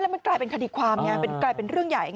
มันกลายเป็นคดีความไงกลายเป็นเรื่องใหญ่